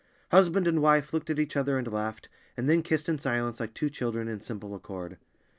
Husband and wife looked at each other and laughed, and then kissed in silence, like two children, in simple accord.